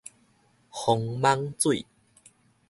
防蠓水